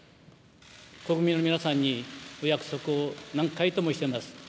国民の皆様にお約束を何回ともしています。